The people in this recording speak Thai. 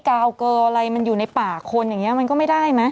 กาวเกออะไรมันอยู่ในป่าคนอย่างนี้มันก็ไม่ได้ไหม